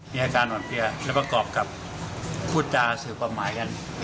มีฮากาหน่วงเสียราบกับผู้ตาสืบประหมายกัน